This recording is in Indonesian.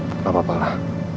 tak apa pak